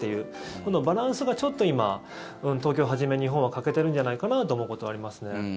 このバランスがちょっと今東京はじめ日本は欠けているんじゃないかなと思うことはありますね。